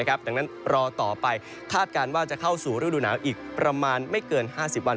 ดังนั้นรอต่อไปคาดการณ์ว่าจะเข้าสู่ฤดูหนาวอีกประมาณไม่เกิน๕๐วัน